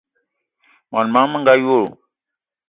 Mań món menga wo!